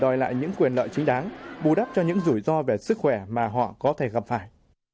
đòi lại những quyền lợi chính đáng bù đắp cho những rủi ro về sức khỏe mà họ có thể gặp phải